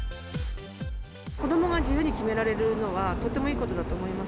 子どもが自由に決められるのは、とってもいいことだと思います。